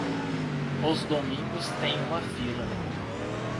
Os domingos têm uma fila.